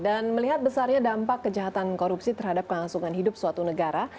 dan melihat besarnya dampak kejahatan korupsi terhadap kelangsungan hidup suatu negara